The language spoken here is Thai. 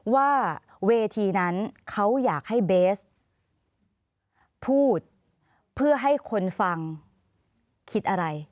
ว่าเวทีนั้นเขาอยากให้เบสพูดเพื่อให้คนฟังคิดอะไร